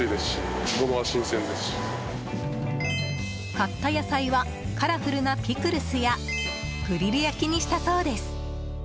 買った野菜はカラフルなピクルスやグリル焼きにしたそうです。